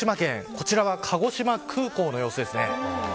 こちらは鹿児島空港の様子です。